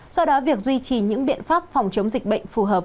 do đó việc duy trì những biện pháp phòng chống dịch bệnh phù hợp